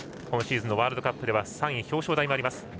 今シーズンのワールドカップでは３位表彰台もあります。